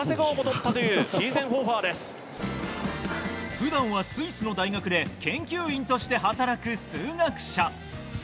普段はスイスの大学で研究員として働く数学者。